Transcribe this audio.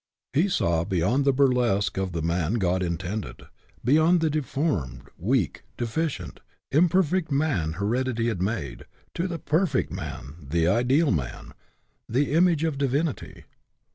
He saw beyond the burlesque of the man God intended, beyond the deformed, weak, deficient, imperfect man heredity had made, to the perfect man, the ideal man, the image of divinity.